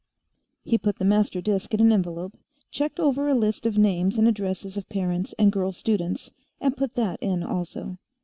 He put the master disk in an envelope, checked over a list of names and addresses of parents and girl students, and put that in also.